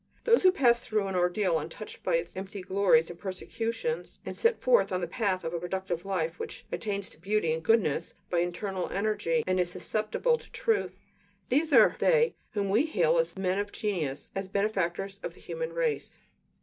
Those who pass through the ordeal untouched by its empty glories and persecutions, and set forth on the path of a productive life which attains to beauty and goodness by internal energy and is susceptible to truth these are they whom we hail as men of genius, as benefactors of the human race.